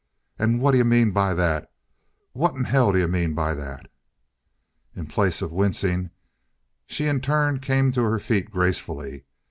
"And what d'you mean by that? What in hell d'you mean by that?" In place of wincing, she in turn came to her feet gracefully.